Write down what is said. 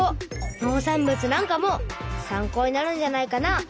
農産物なんかも参考になるんじゃないかな。